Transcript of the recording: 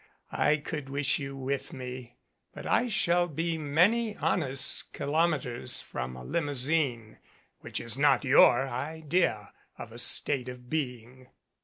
I could wish you with me, but I shall be many honest kilometers from a limousine, which is not your idea of a state of being.